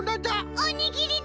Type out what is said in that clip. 「おにぎりだ！」。